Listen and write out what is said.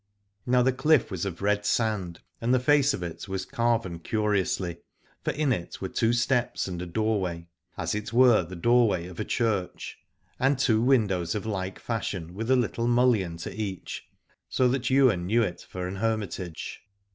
Now the cliff was of red sand, and the face of it was carven curi ously : for in it were two steps and a door way, as it were the doorway of a church, and two windows of like fashion with a little mullion to each : so that Ywain knew it for an hermitage.